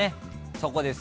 そこです。